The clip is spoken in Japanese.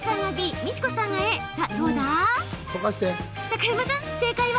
高山さん、正解は？